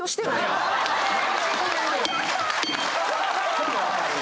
ちょっと！